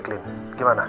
aku mau berbincang